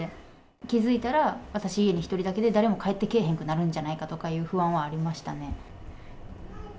気付いたら、私家に１人だけで誰も帰ってけえへんくなるんじゃないかっていう